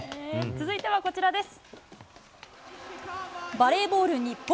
続いてはこちらです。